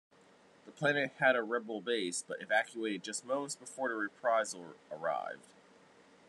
The planet had a rebel base, but evacuated just moments before the "Reprisal" arrived.